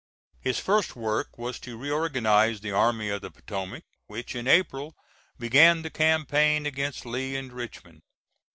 His first work was to reorganize the Army of the Potomac, which in April began the campaign against Lee and Richmond.